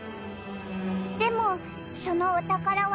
でもそのお宝は。